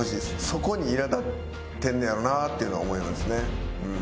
そこにいら立ってんねやろうなっていうのは思いますね。